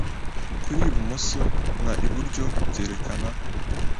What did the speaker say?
Kuri Ibumoso na Iburyo byerekana,